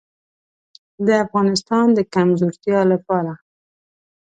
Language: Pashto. د افغانستان د کمزورتیا لپاره.